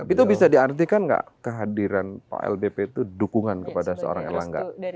itu bisa diartikan nggak kehadiran pak lbp itu dukungan kepada seorang erlangga